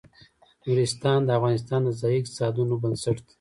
نورستان د افغانستان د ځایي اقتصادونو بنسټ دی.